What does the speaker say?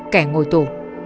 kẻ ngồi tù